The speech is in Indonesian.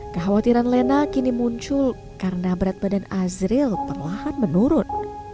kekhawatiran lena kini muncul karena berat badan azril perlahan menurun